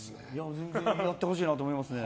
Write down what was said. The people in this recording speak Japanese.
全然やってほしいなと思いますね。